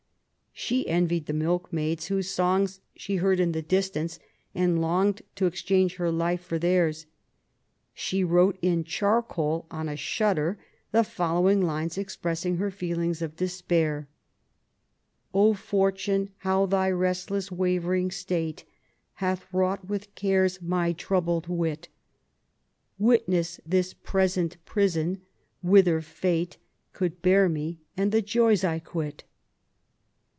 She envied the milk maids, whose song she heard in the distance, and longed to exchange her life for theirs. She wrote in charcoal on a shutter the following lines expressing her feelings of despair: — Oh Fortune, how thy restless wavering state Hath wrought with cares my troubled wit, Witness this present prison, whither fate Could bear me, and the joys I quit.